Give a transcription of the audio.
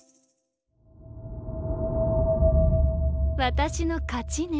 私の勝ちね。